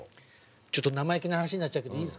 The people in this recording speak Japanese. ちょっと生意気な話になっちゃうけどいいですか？